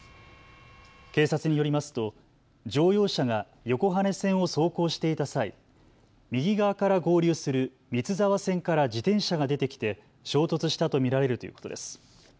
警察によりますと乗用車が横羽線を走行していた際、右側から合流する三ツ沢線から自転車が出てきて衝突したと見られるということです。